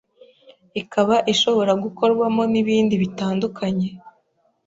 ikaba ishobora gukorwamo nibindi bitandukanye